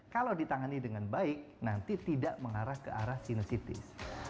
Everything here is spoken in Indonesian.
kalau ditangani dengan baik nanti tidak mengarah ke arah sinositis